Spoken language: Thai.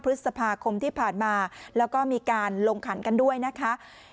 พฤษภาคมที่ผ่านมาแล้วก็มีการลงขันกันด้วยนะคะ